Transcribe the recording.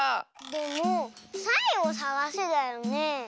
でも「サイをさがせ」だよね？